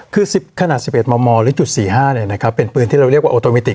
คือสิบขนาดสิบเอ็ดมอร์มอร์หรือจุดสี่ห้าเนี้ยนะครับเป็นปืนที่เราเรียกว่าออโตมิติก